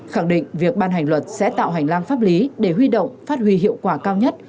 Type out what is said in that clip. khẳng định việc ban hành luật sẽ tạo hành lang pháp lý để huy động phát huy hiệu quả cao nhất